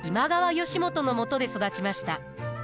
義元のもとで育ちました。